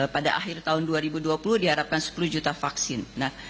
pada akhir tahun dua ribu dua puluh diharapkan sepuluh juta vaksin